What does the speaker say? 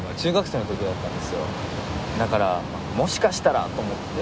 だからもしかしたらと思って。